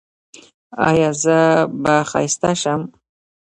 ایا زه به ښایسته شم؟